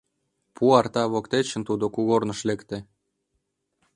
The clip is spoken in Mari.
Пу артана воктечын тудо кугорныш лекте.